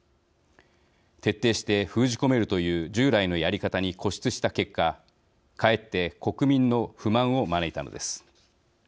徹底して封じ込めるという従来のやり方に固執した結果かえって国民の不満を招いたのです。